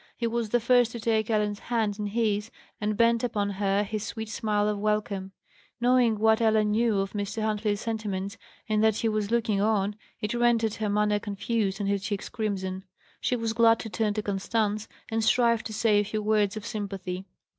He was the first to take Ellen's hand in his, and bend upon her his sweet smile of welcome. Knowing what Ellen knew of Mr. Huntley's sentiments, and that he was looking on, it rendered her manner confused and her cheeks crimson. She was glad to turn to Constance, and strive to say a few words of sympathy.